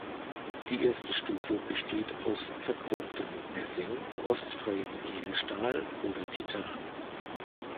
Die erste Stufe besteht aus verchromtem Messing, rostfreiem Edelstahl oder Titan.